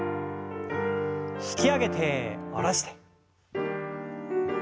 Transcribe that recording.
引き上げて下ろして。